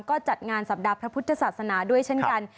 ก็จัดงานสัปดาห์พระพุทธศาสนาด้วยเช่นกัน